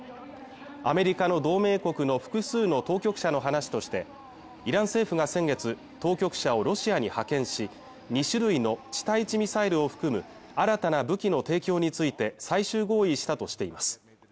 アメリカの同盟国の複数の当局者の話としてイラン政府が先月当局者をロシアに派遣し２種類の地対地ミサイルを含む新たな武器の提供について最終合意したとしています